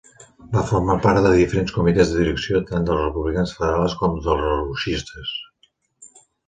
Va formar part de diferents comitès de direcció tant dels republicans federals com dels lerrouxistes.